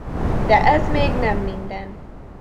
De ez még nem minden.